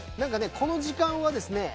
この時間はですね